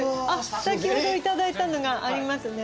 先ほどいただいたのがありますね。